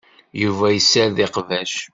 Yuba yessared iqbac.